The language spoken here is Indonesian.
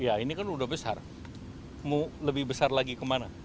ya ini kan udah besar mau lebih besar lagi kemana